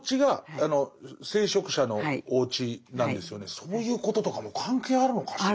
そういうこととかも関係あるのかしら？